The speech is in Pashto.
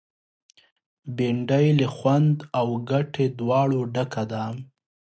بېنډۍ له خوند او ګټې دواړو ډکه ده